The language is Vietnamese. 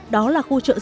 đó là khu chợ giáng sinh